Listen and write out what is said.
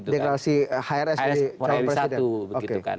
deklarasi hrs jadi calon presiden